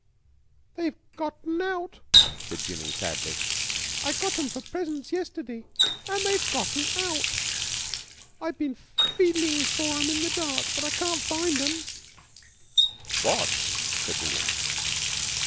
"They've gotten out," said Jimmy, sadly. "I got 'em for presents yesterday, an' they've gotten out. I've been feeling for 'em in the dark, but I can't find 'em." "What?" said William.